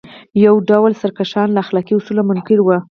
یو بل ډول سرکښان له اخلاقي اصولو منکر وو.